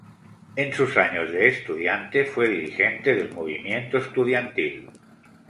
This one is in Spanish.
En sus años de estudiante fue dirigente del movimiento estudiantil.